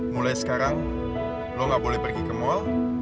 mulai sekarang lo gak boleh pergi ke mall